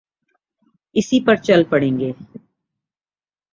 اسی پر چل پڑیں گے۔